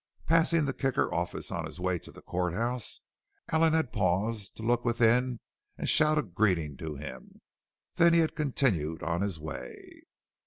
Passing the Kicker office on his way to the court house, Allen had paused to look within and shout a greeting to him. Then he had continued on his way.